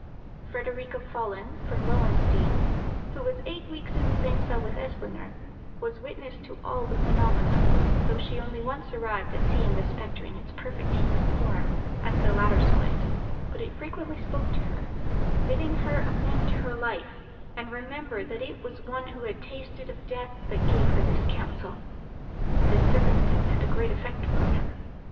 Frederica Follen, from Lowenstein, who was eight weeks in the same cell with Eslinger, was witness to all the phenomena, though she only once arrived at seeing the spectre in its perfect human form, as the latter saw it; but it frequently spoke to her, bidding her amend her life, and remember that it was one who had tasted of death that give her this counsel. This circumstance had a great effect upon her.